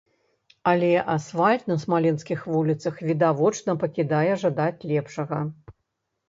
Але асфальт на смаленскіх вуліцах відавочна пакідае жадаць лепшага.